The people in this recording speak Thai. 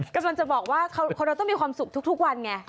กำลังจะบอกว่าคนเราต้องมีความสุขทุกวันไง